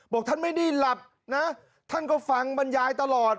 บอกท่านไม่ได้หลับนะท่านก็ฟังบรรยายตลอด